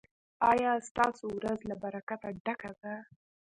ایا ستاسو ورځ له برکته ډکه ده؟